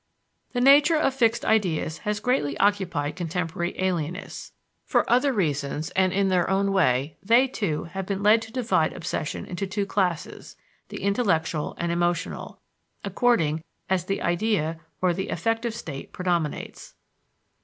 The nature of fixed ideas has greatly occupied contemporary alienists. For other reasons and in their own way they, too, have been led to divide obsession into two classes, the intellectual and emotional, according as the idea or the affective state predominates.